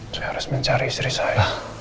dia harus mencari istri saya